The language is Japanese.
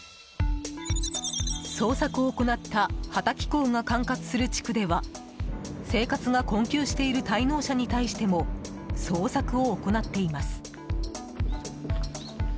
捜索を行った幡多機構が管轄する地区では生活が困窮している滞納者に対しても捜索を行っています。